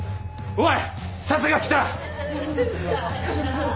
おい。